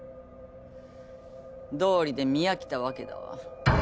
どうりで見飽きたわけだわ。